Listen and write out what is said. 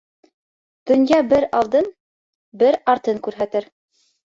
Донъя бер алдын, бер артын күрһәтер.